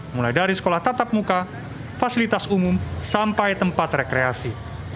mulai dari sekolah tatap muka fasilitas umum sampai tempat rekreasi